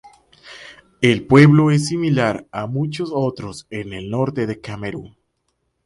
El pueblo es similar a muchos otros en el norte de Camerún.